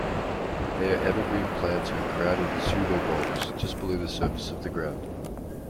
They are evergreen plants with crowded "pseudobulbs" just below the surface of the ground.